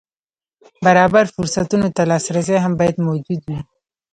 برابر فرصتونو ته لاسرسی هم باید موجود وي.